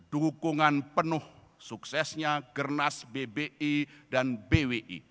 dukungan penuh suksesnya gernas bbi dan bwi